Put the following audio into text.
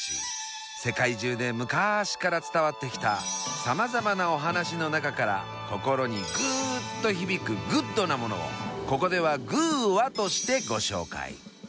世界中でむかしから伝わってきたさまざまなお話の中から心にグーッと響くグッドなものをここでは「グぅ！話」としてご紹介。